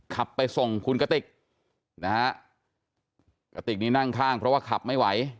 ขับไปส่งคุณกติกนะฮะกระติกนี้นั่งข้างเพราะว่าขับไม่ไหว